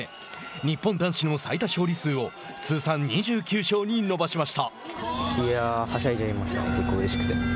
日本男子の最多勝利数を通算２９勝に伸ばしました。